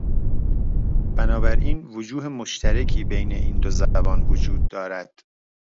بنابراین وجوه مشترکی بین این دو زبان وجود دارد